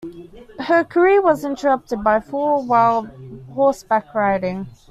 Her career was interrupted by a fall while horseback riding.